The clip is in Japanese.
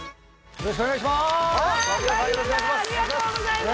よろしくお願いします。